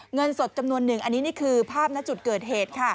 เงินสดจำนวนหนึ่งอันนี้นี่คือภาพณจุดเกิดเหตุค่ะ